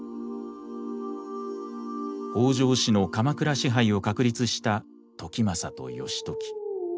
北条氏の鎌倉支配を確立した時政と義時。